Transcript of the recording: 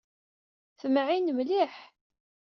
Temɛin mliḥ.